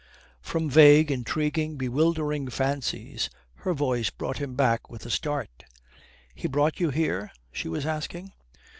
From vague, intriguing, bewildering fancies, her voice brought him back with a start. "He brought you here?" she was asking.